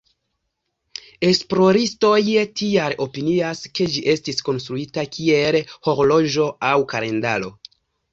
Esploristoj tial opinias, ke ĝi estis konstruita kiel horloĝo aŭ kalendaro.